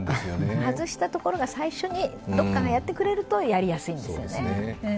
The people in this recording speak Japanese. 外したところが、最初にどこかがやってくれるとやりやすいんですよね。